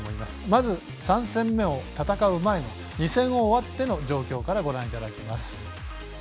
まず、３戦目を戦う前の２戦を終わっての状況からご覧いただきます。